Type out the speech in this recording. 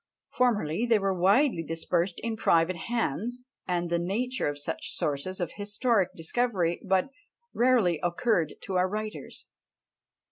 Formerly they were widely dispersed in private hands; and the nature of such sources of historic discovery but rarely occurred to our writers.